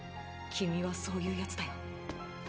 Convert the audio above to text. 君はそういう奴だよ。